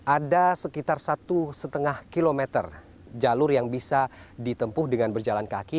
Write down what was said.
ada sekitar satu lima km jalur yang bisa ditempuh dengan berjalan kaki